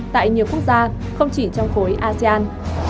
tại nhiều quốc gia không chỉ trong khối asean